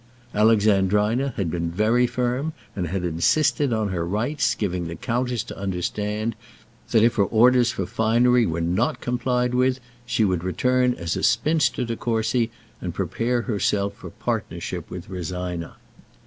Alexandrina had been very firm, and had insisted on her rights, giving the countess to understand that if her orders for finery were not complied with, she would return as a spinster to Courcy, and prepare herself for partnership with Rosina.